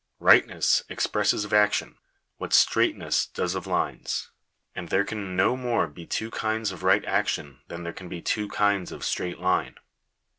\ Rightness expresses of actions, what straightness does of lines ;| and there can no more be two kinds of right action than there I can be two kinds of straight line.